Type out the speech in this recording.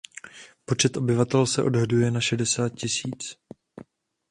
Počet obyvatel se odhaduje na šedesát tisíc.